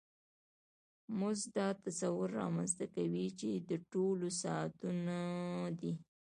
مزد دا تصور رامنځته کوي چې د ټولو ساعتونو دی